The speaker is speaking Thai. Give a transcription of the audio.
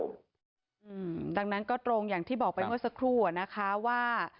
อืมดังนั้นก็ตรงอย่างที่บอกไปเมื่อสักครู่อะนะคะว่า